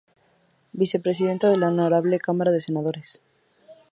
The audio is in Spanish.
Vicepresidencia de la Honorable Cámara de Senadores.